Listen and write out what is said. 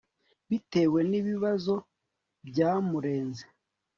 bitewe ni bibazo byamurenze